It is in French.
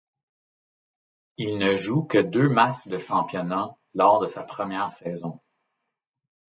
Il ne joue que deux matchs de championnat lors de sa première saison.